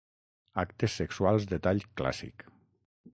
Actes sexuals de tall clàssic.